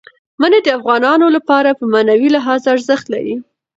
منی د افغانانو لپاره په معنوي لحاظ ارزښت لري.